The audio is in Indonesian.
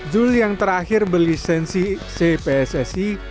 zul yang terakhir berlisensi cpssi